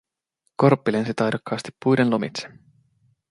Korppi lensi taidokkaasti puiden lomitse